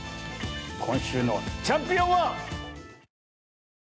今週のチャンピオンは。